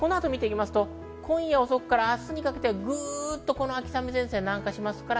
今夜遅くから明日にかけて秋雨前線が南下します。